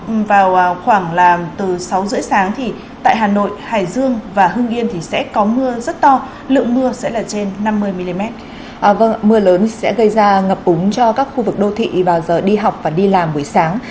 mưa lớn sẽ gây ra ngập úng cho các khu vực đô thị vào giờ đi học và đi làm buổi sáng